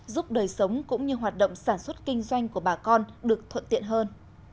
giúp đời sống cũng như hoạt động sản xuất kinh doanh của bà con được thuận tiện hơn